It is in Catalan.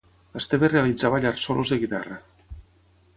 Esteve realitzava llargs solos de guitarra.